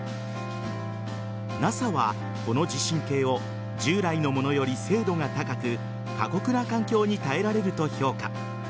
ＮＡＳＡは、この地震計を従来のものより精度が高く過酷な環境に耐えられると評価。